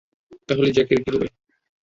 তাহলে জ্যাকের কী হবে?